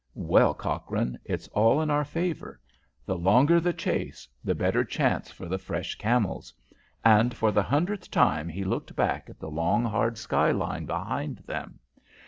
"Well, Cochrane, it's all in our favour. The longer the chase the better chance for the fresh camels!" and for the hundredth time he looked back at the long, hard skyline behind them.